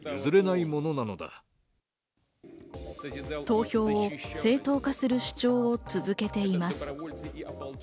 投票を正当化する主張を続けています。